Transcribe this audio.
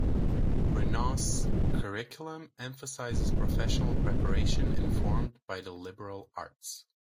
Brenau's curriculum emphasizes professional preparation informed by the liberal arts.